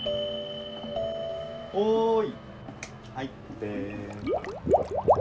おい入って。